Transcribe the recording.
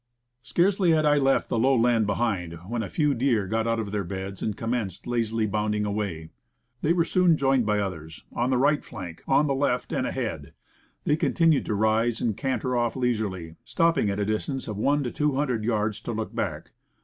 Scarcely had I left the low land behind, when a few deer got out of their beds and commenced lazily bounding away. They were soon joined by others; on the right flank, on the left, and ahead, they continued to rise and canter off leisurely, stop ping at a distance of one or two hundred yards to look back.